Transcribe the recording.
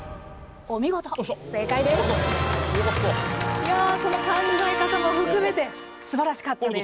いやその考え方も含めてすばらしかったです。